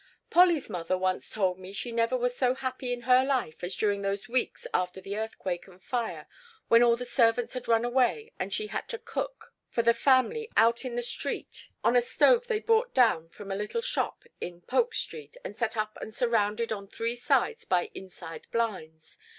"Polly's mother once told me she never was so happy in her life as during those weeks after the earthquake and fire when all the servants had run away and she had to cook for the family out in the street on a stove they bought down in a little shop in Polk Street and set up and surrounded on three sides by 'inside blinds.'